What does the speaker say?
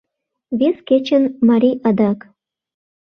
Вес кечын Мари адак